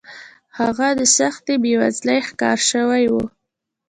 هغه د سختې بېوزلۍ ښکار شوی و